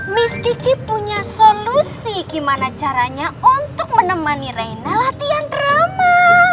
miss kiki punya solusi gimana caranya untuk menemani reina latihan drama